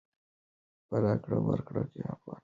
په راکړه ورکړه کې افغانۍ وکاروئ.